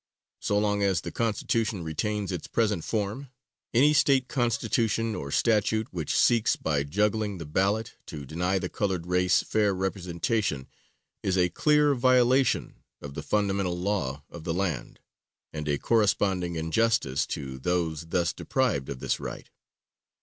So long as the Constitution retains its present form, any State Constitution, or statute, which seeks, by juggling the ballot, to deny the colored race fair representation, is a clear violation of the fundamental law of the land, and a corresponding injustice to those thus deprived of this right.